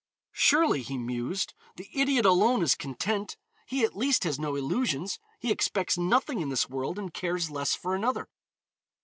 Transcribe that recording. "Surely," he mused, "the idiot alone is content. He at least has no illusions; he expects nothing in this world and cares less for another.